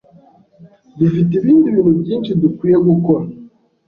Dufite ibindi bintu byinshi dukwiye gukora.